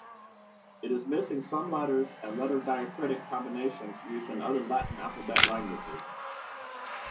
It is missing some letters and letter-diacritic combinations used in other Latin-alphabet languages.